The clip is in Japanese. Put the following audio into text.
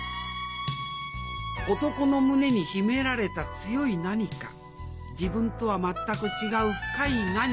男の胸に秘められた強い何か自分とは全く違う深い何かにドキリ。